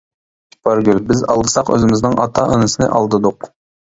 ئىپارگۈل: بىز ئالدىساق ئۆزىمىزنىڭ ئاتا-ئانىسىنى ئالدىدۇق.